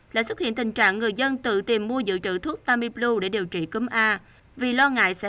lại xuất hiện tình trạng người dân tự tìm mua dự trữ thuốc tamiblu để điều trị cúm a vì lo ngại sẽ